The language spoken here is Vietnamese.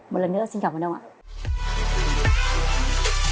một lần nữa xin cảm ơn ông ạ